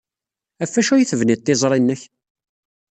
Ɣef wacu ay tebniḍ tiẓri-nnek?